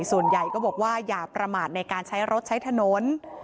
ส่วนใหญ่ก็บอกว่าอย่าประมาทในการใช้รถใช้ถนน